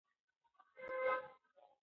که بازار بدل شي نو تګلاره بدلیږي.